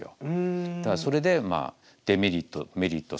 それでデメリットメリット